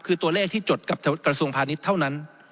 คือตัวเลขที่จดกับกระทรวงพาณิชย์เท่านั้น